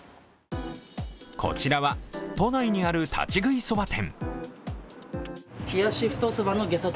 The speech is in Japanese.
こちらは、都内にある立ち食いそば店。